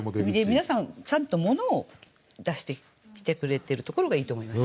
皆さんちゃんと物を出してきてくれてるところがいいと思います。